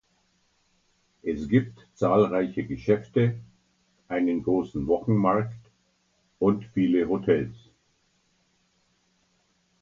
Es gibt zahlreiche Geschäfte, einen großen Wochenmarkt und viele Hotels.